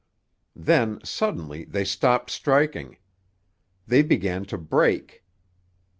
Then, suddenly, they stopped striking. They began to break.